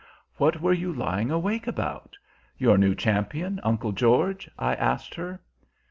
"What were you lying awake about? Your new champion, Uncle George?" I asked her.